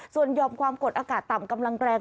ส่วนยอมความกดอากาศต่ำกำลังแรง